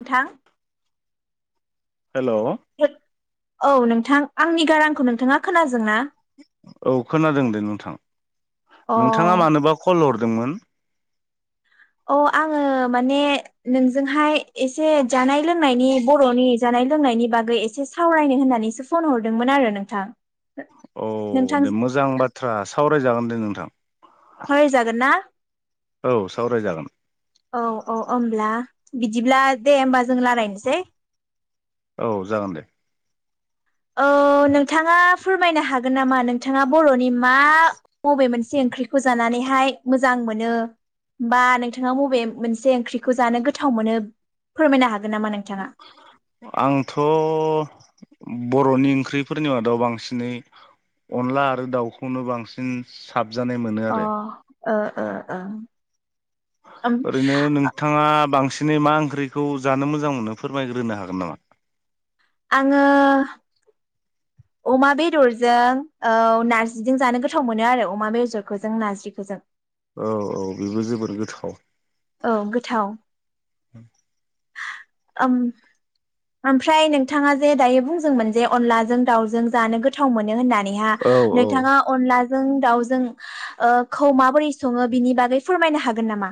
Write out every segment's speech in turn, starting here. नोथां। हेल' औ नोंथां आंनि गारांखौ नोंथाङा खोनाजोंना। औ खोनादों दे नोंथां अ नोंथाङा मानोबा कल हर। [unintelligible] अ आङो माने नोंजोंहाय एसे जानाय लोंनायनि बर'नि जानाय लोंनायनि बागै एसे सावरायनो होननानैसो फन हरदोंमोन आरो नोंथां। औ नोंथां दे मोजां बाथ्रा साव [unintelligible] रायजागोन दे नोंथां। सावरायजागोन ना [unintelligible] औ सावरायजागोन औ औ ओमब्ला बिदिब्ला दे होमबा जों लारायनोसै। औ जागोन दे। ओ नोंथाङा फोरमायनो हागोन नामा नोंथाङा बर'नि। मा बबे मोनसे। [unintelligible] ओंख्रिखौ जानानैहाय मोजां मोनो बा नोंथाङा बबे मोनसे ओंख्रिखौ जानो गोथाव मोनो फोरमायनो हागोन नामा नों। आंथ' [unintelligible] बर'नि ओंख्रिफोरनि मादाव बांसिनै अनला आरो दाउखौनो बांसिन। हाबजानाय मोनो अ आरो। ओ ओ ओ। ओम ओरैनो नोंथाङा बांसिन। [unintelligible] मा ओंख्रिखौ जानो मोजां मोनो फोरमायग्रोनो हागोन नामा। आङो अमा बेदरजों औ नारजिजों जानो गोथाव मोनो आरो अमा बेजरखौजों नारजिखौ जों। औ औ बेबो जोबोर गोथाव। औ गोथाव [unintelligible] [inaudible] ओम ओमफ्राय नोंथाङा जे दायो बुंदोंमोन जे अनलाजों दाउजों जानो गोथाव मोनो होननानै। नेहा औ औ नोंथाङा अनलाजों। दाउ जों खौ माबोरै सङो बिनि बागै फोरमायनो हागोन नामा?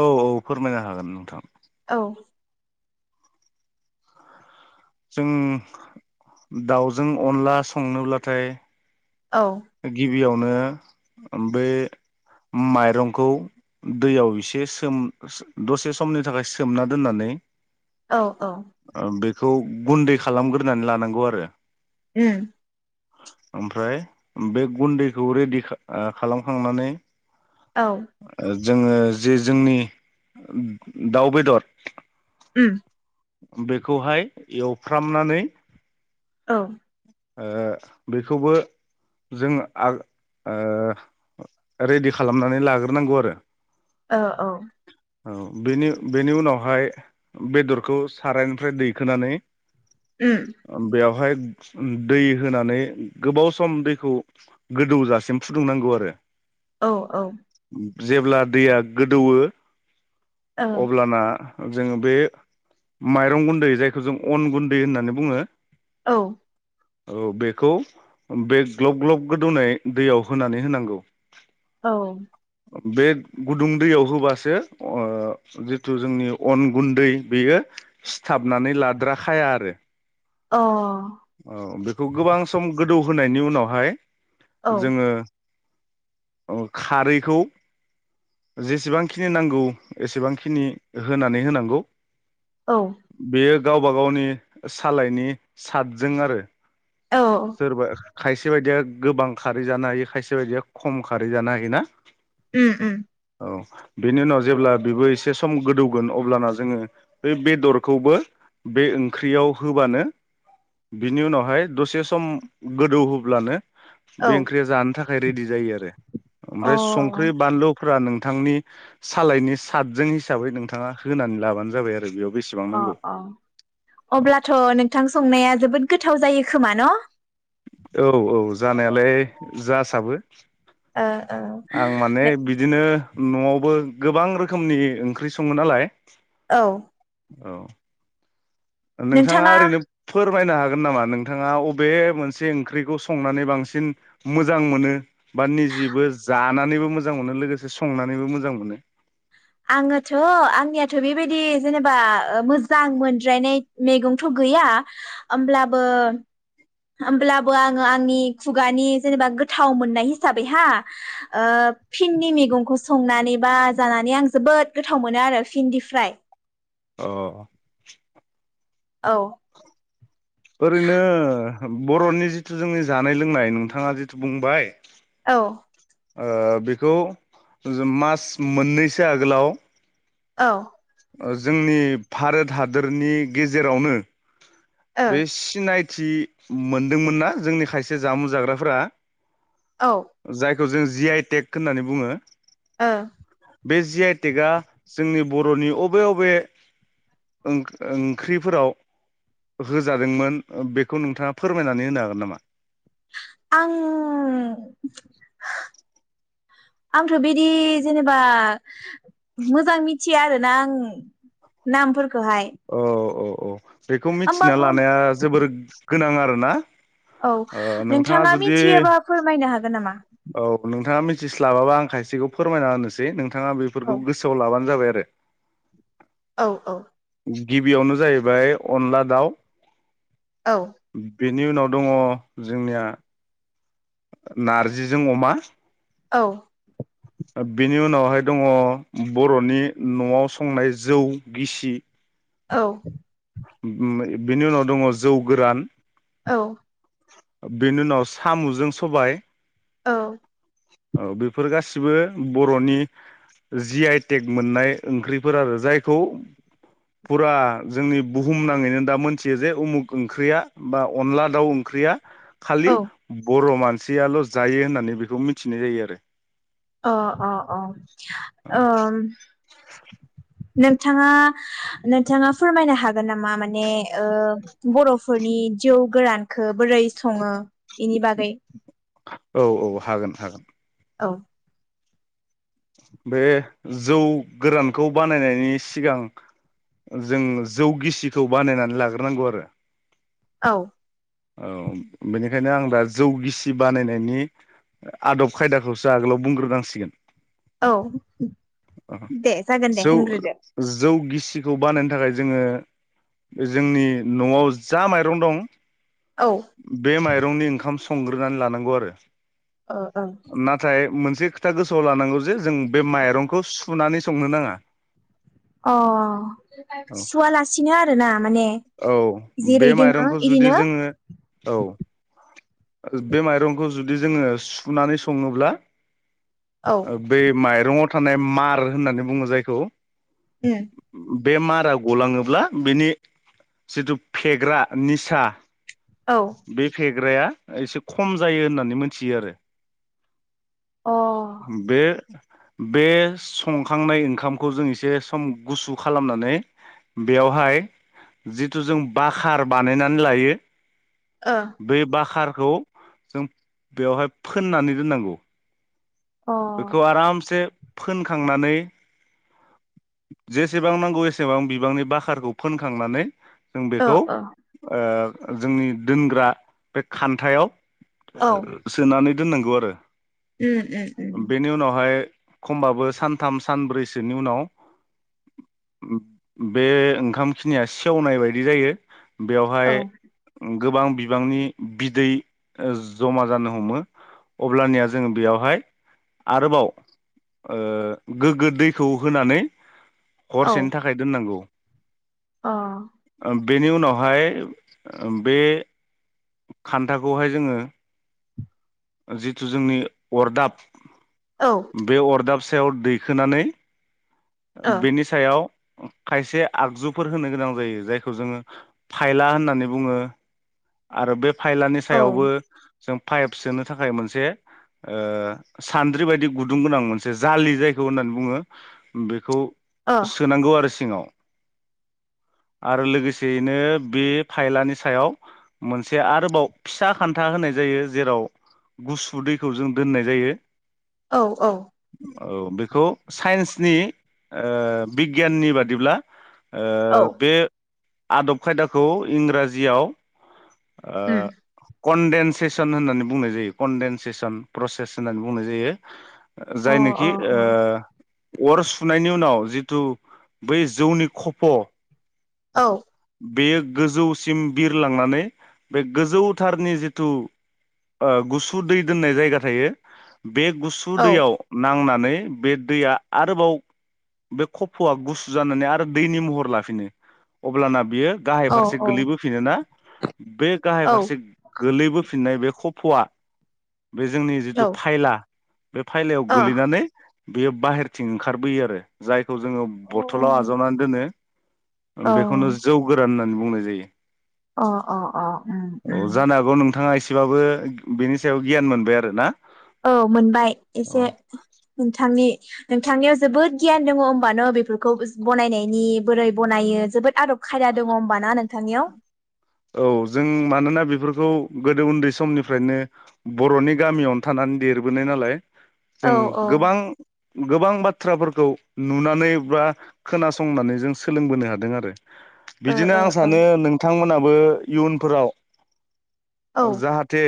औ औ फोरमायनो हागोन नोंथां। औ। जों दाउजों अनला संनोब्लाथाय। औ। बेयावनो बे माइरंखौ दैयाव एसे सोम दसे समनि थाखाय सोमना दोननानै। औ औ खौ गुन्दै खालामग्रोनानै लानांगौ आरो ओम ओमफ्राय बे गुन्दैखौ रेडि खा आ खालामखांनानै औ जोङो जे जोंनि दाउ बेदर उम बेखौहाय एवफ्रामनानै औ ओ बेखौबो जों आ ओ रेडि खालामनानै लाग्रोनांगौ आरो ओ औ औ बेनि बेनि उनावहाय बेदर खौ सारायनिफ्राय दैखोनानै उम बेयाव हाय दै होनानै गोबाव सम दैखौ गोदौजासिम फुदुंनांगौ आरो औ औ जेब्ला दैया गोदौवो अब्लाना जोङो बे माइरं गुन्दै जायखौ जों अन गुन्दै होननानै बुङो। औ औ बेखौ बे ग्लब ग्लब गोदौनाय दैयाव होनानै होनांगौ। औ बे गुदुं दैयाव होबासो ओ जिथु जोंनि अन गुन्दै बेयो सिथाबनानै लाद्राखाया आरो अ औ बेखौ गोबां सम गोदौहोनायनि उनावहाय अ औ जोङो ओ खारैखौ जेसेबांखिनि नांगौ एसेबांखिनि होनानै होनांगौ। औ बेयो गावबा गावनि सालायनि सादजों आरो औ सोरबा खायसे बायदिया गोबां खारै जानो हायो खायसे बायदिया खम खारै जानो हायो ना। उम उम। औ बेनि उनाव जेब्ला बेबो एसे सम गोदौगोन अब्लाना जोङो बे बेदरखौबो बे ओंख्रियाव होबानो बिनि उनावहाय दसे सम गोदौहोब्लानो औ बे ओंख्रिया जानो थाखाय रेडि जायो आरो अ ओमफ्राय संख्रि बानलुफोरा नों थांनि सालायनि सादजों हिसाबै नोंथाङा होनानै लाबानो जाबाय आरो बेयाव बेसेबां अ नांगौ अ अब्लाथ' नोंथां संनाया जोबोद गोथाव जायो खोमा न' औ औ। जानायालाय जासाबो। आं माने बिदिनो न'आवबो गोबां रोखोमनि ओंख्रि सङो नालाय औ। औ। नोंथाङा ओरैनो फोर फोरमायनो हागोन नामा नोंथाङा अबे मोनसे ओंख्रिखौ संनानै बांसिन मोजां मोनो बा निजेबो जानानैबो मोजां मोनो लोगोसे संनानैबो मोजां मोनो। आङोथ' आंनियाथ' बेबायदि जेनेबा ओ मोजां मोनद्रायनाय मेगंथ' गैया ओमब्लाबो होमब्लाबो आङो आंनि खुगानि जेनेबा गोथाव मोननाय हिसाबै हो फिन्डि मेगंखौ संनानै बा जानानै आं जोबोद गोथाव मोनो आरो फिन्डि फ्राय। अ औ ओरैनो बर'नि जिथु जोंनि जानाय लोंनाय नोंथाङा जिथु बुंबाय औ ओ बेखौ जो मास मोननैसो आगोलाव औ ओ जोंनि भारत हादरनि गेजेरावनो बे औ सिनायथ थि मोनदोंमोनना जोंनि खायसे जामुं जाग्राफोरा औ। खौ जों जि आइ टेक होननानै बुङो। ओ बे जि आइटेकआ जोंनि बर'नि अबे अबे ओं ओंख्रिफोराव होजादोंमोन बेखौ नोंथाङा फोरमायनानै होनो हागोन नामा? आं आंथ' बिदि जेनेबा मोजां मिथ मिथिया आरोना आं नामफोर अ अ अ बेखौ मिथिना होमबाबो लानाया जोबोर गोनां आरोना औ ओ नोंथाङा जुदि मिथियोबा फोरमायनो हागोन नामा? थिस्लाबा बा आं खायसेखौ फोरमायना होनोसै नोंथ नोंथाङा बेफोरखौ औ गोसोआव लाबानो जाबाय ओ औ औ गिबियावनो जाहैबाय अनला दाउ। औ। बेनि उनाव दङ जोंनिया नार्जिजों अमा। औ। बिनि उनावहाय दङ बर'नि न'आव संनाय जौ गिसि। औ। उम उम बिनि उनाव दङ जौ गोरान। औ। बेनि उनाव साम'जों सबाइ। औ। औ बेफोर गासिबो बर'नि जि आइ टेक मोननाय ओंख्रिफोर आरो जायखौ फुरा जोंनिब बुहुम नाङैनो दा मोनथियो जे उमुख ओंख्रिया बा अनला दाउ ओंख्रिया खालि औ बर' मान सियाल' जायो होननानै बेखौ मिथिनाय जायो आरो। अ अ अ ओम। नोंथाङा नोंथाङा फोरमायनो हागोन नामा माने ओ बर'फोरनि जौ गोरानखो बोरै सङो बेनि बागै? औ औ हागोन हागोन। औ। बे जौ गोरानखौ बानायनायनि सिगां जों जौ गिसिखौ बानायनानै लाग्रोनांगौ आरो। औ। औ बेनिखायनो आं दा जौ गिसि बानायनायनि आदब खायदाखौसो आगोलाव बुंग्रोनांसिगोन। औ दे जागोन दे होनग्रोदो। सिखौ बानायनो थाखाय जोङो जोंनि न'आव जा माइरं दं औ बे माइरंनि ओंखाम स संग्रोनानै लानांगौ आरो। ओ ओं नाथाय मोन जे खोथा गोसोआव लानांगौ जे जों। बे माइरंखौ सुनानै संनो नाङा। अ औ सुवालासिनो आरो ना माने औ बे जेरै दोङो माइरंखौ जुदि इदिनो। ओ बे माइरंखौ जुदि जोङो सुनानै सङोब्ला। औ ओ बे माइब रंआव थानाय मार होननानै बुङो जायखौ। उम बे मारा गलाङोब्ला बिनि जिथु फेग्रा निसा। औ बे फे ग्राया एसे खम जायो होननानै मोनथियो आरो। अ ओ बे बे संखांनाय ओंखामखौ जों एसे सम गुसु खालामनानै बेयावहाय जिथु जों बाखार बानायनानै लायो अ बे बाखार खौ जों बेवहाय फोननानै दोननांगौ। बेखौ आरामसे फोनखांनानै जेसेबां नांगौ एसेबां बिबांनि बाखारखौ फोनखांनानै जों ओ बेखौ ओ जोंनि दोनग्रा बे खान्थायाव औ ओ सोनानै दोननांगौ आरो। उम उम उम बेनि उनावहाय खमबाबो सानथाम सानब्रैसोनि उनाव बे ओंखाम खिनिया सेवनाय बायदि जायो। औ बेवहाय गोबां बिबांनि बिदै जमा जानो हमो, अब्लानिया जोङो बेयावहाय आरोबाव ओ गोग्गो दैखौ होनानै औ हरसेनि थाखाय दोननांगौ। अ। बेनि उनावहाय ओ बे खान्थाखौहाय जोङो जिथु जोंनि अरदाब औ ओ बे अरदाब सायाव दैखोनानै औ बेनि सायाव खायसे आगजुफोर होनो गोनां जायो। जायखौ जोङो फायला होननानै बुङो। आरो बे फाइलानि ओ सायावबो जों फाइभसोनो थाखाय मोनसे ओ सान्द्रि बायदि गुदुं गोनां मोनसे जालि जायखौ होननानै बुङो बेखौ सोनांगौ आरो सिङाव। आरो लोगोसेयैनो बे फाइलानि सायाव मोनसे आरोबाव फिसा खान्था होनाय जायो जेराव गुसु दैखौ जों दोननाय जायो। औ औ बेखौ साइन्सनि ओ बिगियाननि बादिब्ला ओ औ बे आदब खायदाखौ इंराजियाव ओ उम कन्डेनसेसन होननानै बुंनाय जायो कन्देनसेसन फ्रसेस होननानै बुंनाय जायो। ओ अ जायनोखि ओ अर सुनायनि उनाव जिथु बै जौनि खफ' औ। बेयो गोजौसिम बिरलांनानै बे गोजौथारनि जिथु। ओ गुसु दै दोननाय जायगा थायो। बे गुसु औ दैयाव नांनानै। बे दैया आरोबाव बे खफ'आ गुसु जानानै आरो दैनि महर लाफिनो अब्लाना बियो। गाहाय औ फारसे गोलैबोफिनोना? बे गाहाय औ ओ फारसे गोलैबोफिननाय बे। फवा। बे जोंनि औ जिथु फायला। बे फायलायाव अ गोलैनानै। बेयो बाहेरथिं ओंखारबोयो आरो जाय। खौ जोङो बथलाव उम आजावनानै दोनो ओबेखौनो जौ गोरान होननानै बुंनाय जायो। अ अ अ ओम ओम। बाबो बिनि सायाव गियान मोनबाय आरो ना? औ मोनबाय एसे औ नोंथांनि। नोंथांनियाव जोबोद गियान दङ होमबा न' बेफोरखौ बनायनायनि बोरै बनायो जोबोद आदब खायदा दङ होमबा ना नोंथांनियाव? औ जों मानोना बेफोरखौ गोदो उन्दै समनिफ्रायनो बर'नि गामियावनो थानानै देरबोनाय नालाय। औ जों औ गोबां। गोबां बाथ्राफोरखौ नुनानै बा खोनासंनानै जों सोलोंबोनो हादों आरो। ओ बिदिनो आं सानो नोंथांमोना। बो इयुनफोराव। ओ जाहाथे।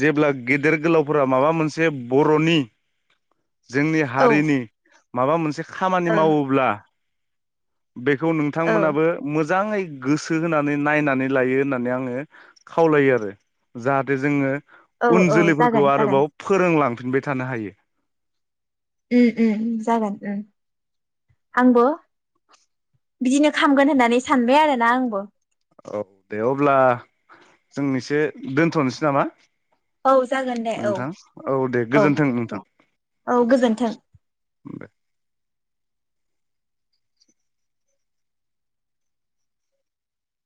जेब्ला गेदेर गोलावफोरा माबा मोनसे बर'नि। जोंनि ओ औ हारिनि। माबा मोनसे। खामानि मावोब्ला। बेखौ ओ नोंथांमोनाबो मोज जाङै गोसो होनानै नायना नानै आङो खावलायो आरो जाहाथे जोङो औ उन औ जोलैफोरखौ जागोन जागोन आरोबाव फोरोंलां फिनबाय थानो हायो। उ उ जागोन उम। आंबो बिदिनो खामगोन होननानै सानबाय आरोना आंबो। औ दे अब्ला जों एसे दोनथ'नोसै नामा? औ जागोन दे औ नोंथां औ दे औ गोजोन्थों नोंथां दे औ गोजोन्थों। उम दे।